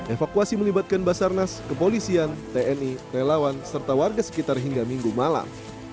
evakuasi melibatkan basarnas kepolisian tni relawan serta warga sekitar hingga minggu malam